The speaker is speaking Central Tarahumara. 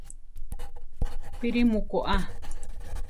¿Píri mu koʼa?